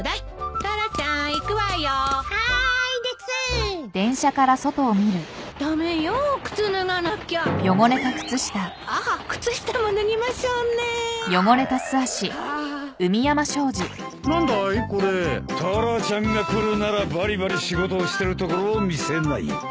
タラちゃんが来るならバリバリ仕事をしてるところを見せないと。